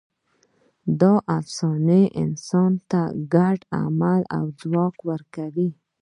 دا افسانې انسانانو ته د ګډ عمل ځواک ورکوي.